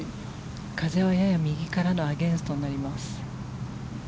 風はやや右からのアゲンストになります。